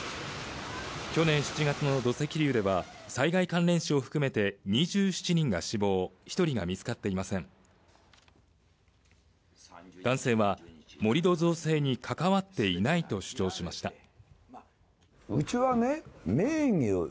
去年７月の土石流では災害関連死を含めて２７人が死亡、一人が見つかっていません男性は盛り土造成に関わっていないと主張しました